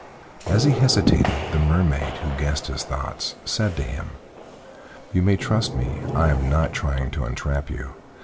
As he hesitated the Mermaid, who guessed his thoughts, said to him: "You may trust me: I am not trying to entrap you.